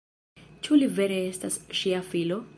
Ĉu li vere estas ŝia filo?